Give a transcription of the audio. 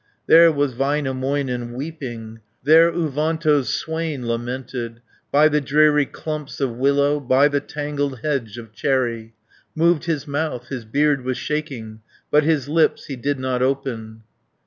There was Väinämöinen weeping, There Uvanto's swain lamented, By the dreary clumps of willow, By the tangled hedge of cherry. Moved his mouth, his beard was shaking, But his lips he did not open.